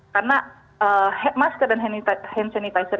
karena masker dan hand sanitizer